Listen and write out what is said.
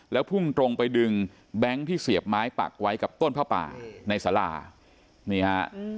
แล้วพุ่งตรงไปดึงแบงค์ที่เสียบไม้ปักไว้กับต้นผ้าป่าในสารานี่ฮะ